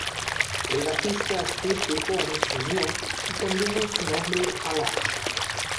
El bajista Steve Rippon se unió, y cambiaron su nombre a Lush.